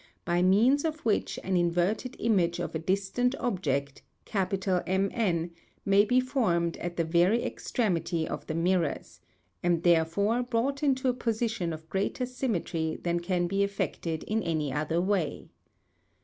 by means of which an inverted image of a distant object, MN, may be formed at the very extremity of the mirrors, and therefore brought into a position of greater symmetry than can be effected in any other way.